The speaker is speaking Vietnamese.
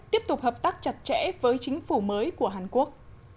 tiếp tục hợp tác chặt chẽ với chính phủ mới của hàn quốc